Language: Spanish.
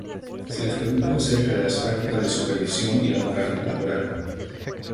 Se les preguntó acerca de las prácticas de supervisión y la moral laboral.